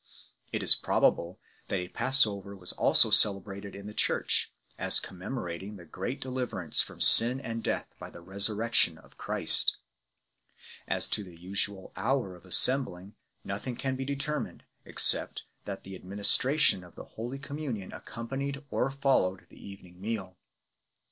It is probable tha,t a Pass over was also celebrated in the Church, as commemorating the great deliverance from sin and death by the Resurrec tion of Christ 7 . As to the usual hour of assembling nothing can be determined, except that the administra tion of Holy Communion accompanied or followed the evening meal.